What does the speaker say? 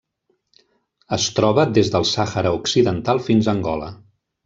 Es troba des del Sàhara Occidental fins a Angola.